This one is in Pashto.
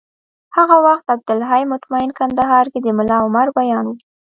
هغه وخت عبدالحی مطمین کندهار کي د ملا عمر ویاند و